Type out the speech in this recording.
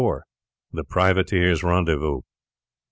THE PRIVATEER'S RENDEZVOUS.